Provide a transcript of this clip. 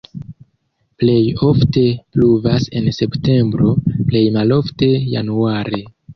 Plej ofte pluvas en septembro, plej malofte januare.